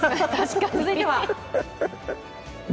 続いては。